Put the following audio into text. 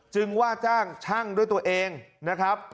ว่าจ้างช่างด้วยตัวเองนะครับ